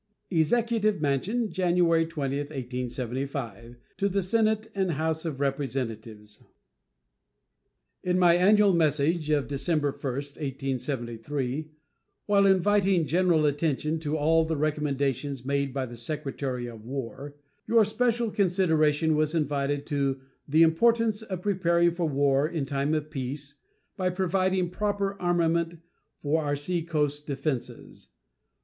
EXECUTIVE MANSION, January 20, 1875. To the Senate and House of Representatives: In my annual message of December 1, 1873, while inviting general attention to all the recommendations made by the Secretary of War, your special consideration was invited to "the importance of preparing for war in time of peace by providing proper armament for our seacoast defenses.